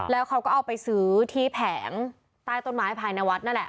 แล้วเขาก็เอาไปซื้อที่แผงใต้ต้นไม้ภายในวัดนั่นแหละ